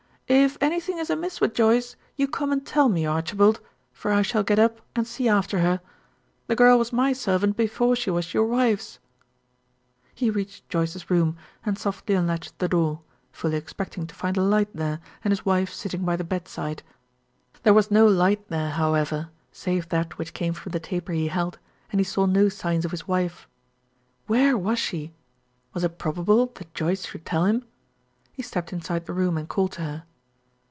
"If anything is amiss with Joyce, you come and tell me, Archibald, for I shall get up and see after her. The girl was my servant before she was your wife's." He reached Joyce's room, and softly unlatched the door, fully expecting to find a light there, and his wife sitting by the bedside. There was no light there, however, save that which came from the taper he held, and he saw no signs of his wife. Where was she? Was it probable that Joyce should tell him? He stepped inside the room and called to her.